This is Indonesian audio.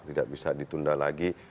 tidak bisa ditunda lagi